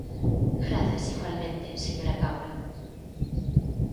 Grazas, igualmente, señora Paulo.